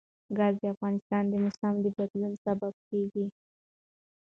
ګاز د افغانستان د موسم د بدلون سبب کېږي.